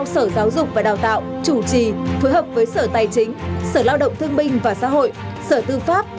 sở giáo dục và đào tạo chủ trì phối hợp với sở tài chính sở lao động thương binh và xã hội sở tư pháp